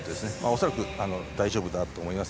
恐らく、大丈夫だと思います。